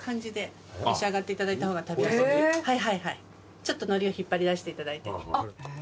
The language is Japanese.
ちょっとのりを引っ張り出していただいて。